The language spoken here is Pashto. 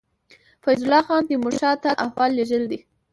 فیض الله خان تېمور شاه ته احوال لېږلی دی.